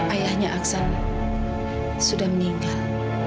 ayahnya aksan sudah meninggal